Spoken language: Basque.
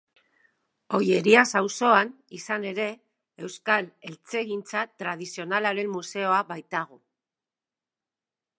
Ollerias auzoan, izan ere, Euskal Eltzegintza Tradizionalaren Museoa baitago.